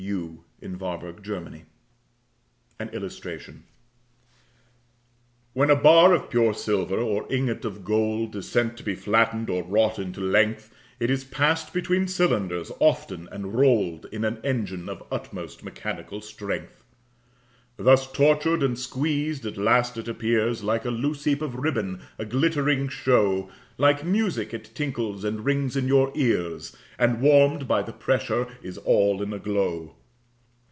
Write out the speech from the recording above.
William Cowper The Flatting Mill An Illustration WHEN a bar of pure silver or ingot of gold Is sent to be flatted or wrought into length, It is pass'd between cylinders often, and roll'd In an engine of utmost mechanical strength. Thus tortured and squeezed, at last it appears Like a loose heap of ribbon, a glittering show, Like music it tinkles and rings in your ears, And warm'd by the pressure is all in a glow.